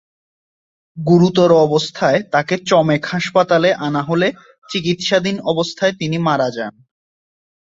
গুরুতর অবস্থায় তাঁকে চমেক হাসপাতালে আনা হলে চিকিৎসাধীন অবস্থায় তিনি মারা যান।